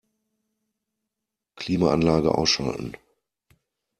Klimaanlage ausschalten.